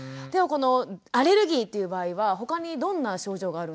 このアレルギーっていう場合はほかにどんな症状があるんですか？